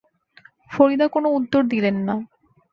ফরিদা কোনো উত্তর দিলেন না।